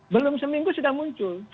belum seminggu sudah muncul